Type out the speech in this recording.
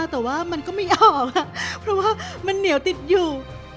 แต่ว่ามันก็ไม่ออกเพราะว่ามันเหนียวติดอยู่